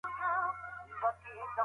آیا لیکل د خلاقیت په وده کي برخه اخلي؟